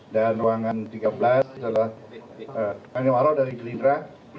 dan ruangan tiga belas adalah pak wani warok dari gelindra